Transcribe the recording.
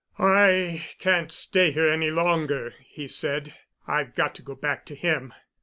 "I can't stay here any longer," he said. "I've got to go back to him.